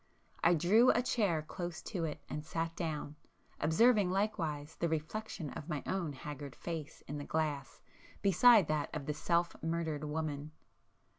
I drew a chair close to it, and sat down, observing likewise the reflection of my own haggard face in the glass beside that of the self murdered woman.